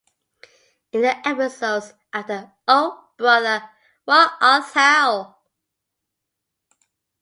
In the episodes after O Brother, What Art Thou?